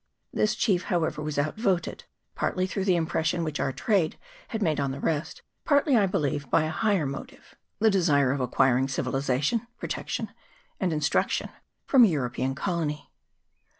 This chief, however, was outvoted ; partly through the impres sion which our trade had made on the rest, partly, I believe, by a higher motive, the desire of acquiring civilization, protection, and instruction from a Eu ropean colony.